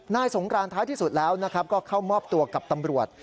สงกรานท้ายที่สุดแล้วก็เข้ามอบตัวกับตำรวจ